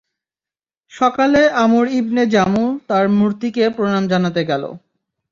সকালে Amr ibn Jamuh তার মূর্তিকে প্রণাম জানাতে গেল।